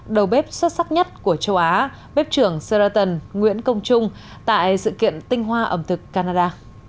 đầu bếp xuất sắc nhất của châu á bếp trưởng seraton nguyễn công trung tại sự kiện tinh hoa ẩm thực canada